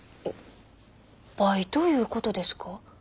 あバイトいうことですか？